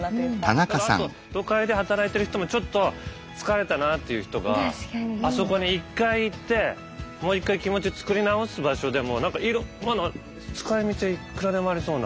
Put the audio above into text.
だからあと都会で働いてる人もちょっと疲れたなという人があそこに一回行ってもう一回気持ちを作り直す場所でも何かまだ使いみちはいっくらでもありそうな。